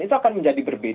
itu akan menjadi berbeda